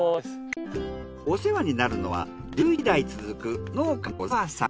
お世話になるのは１１代続く農家の小澤さん。